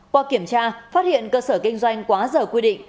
qua kiểm tra phát hiện cơ sở kinh doanh quá giờ quy định